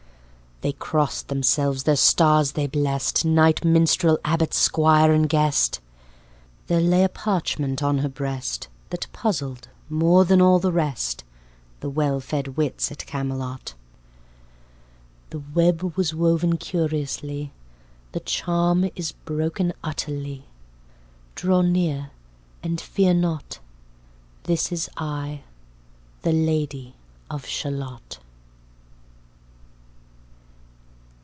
They crossed themselves, their stars they blest, Knight, minstrel, abbot, squire and guest. There lay a parchment on her breast, That puzzled more than all the rest, The wellfed wits at Camelot. "The web was woven curiously The charm is broken utterly, Draw near and fear not – this is I, The Lady of Shalott.